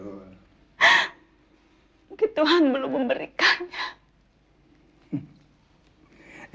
mungkin tuhan belum memberikannya